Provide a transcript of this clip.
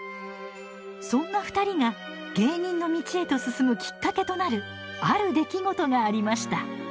そんな２人が芸人の道へと進むきっかけとなるある出来事がありました。